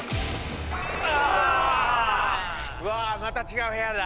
わあまた違う部屋だ。